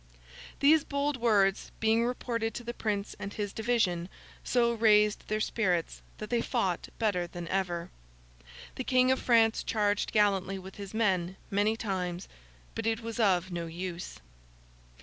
These bold words, being reported to the Prince and his division, so raised their spirits, that they fought better than ever. The King of France charged gallantly with his men many times; but it was of no use.